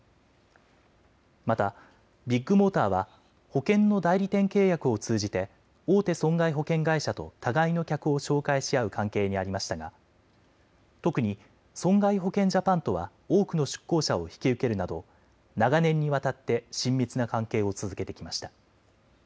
またビッグモーターは保険の代理店契約を通じて大手損害保険会社と互いの客を紹介し合う関係にありましたが特に損害保険ジャパンとは多くの出向者を引き受けるなど長年にわたって親密な関係を続けてきました。